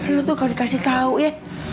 lu tuh kalau dikasih tau ya